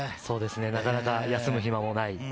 なかなか休む暇がない。